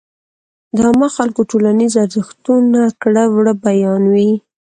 د عامو خلکو ټولنيز ارزښتونه ،کړه وړه بيان وي.